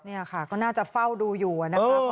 นี่ค่ะก็น่าจะเฝ้าดูอยู่นะครับ